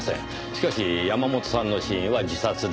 しかし山本さんの死因は自殺ではない。